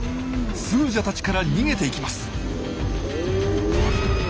スージャたちから逃げていきます。